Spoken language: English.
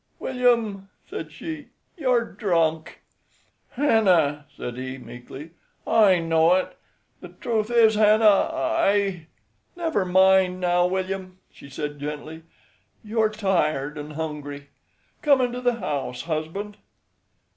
"William," said she, "you're drunk." "Hannah," said he, meekly, "I know it. The truth is, Hannah, I—" "Never mind, now, William," she said, gently. "You are tired and hungry. Come into the house, husband."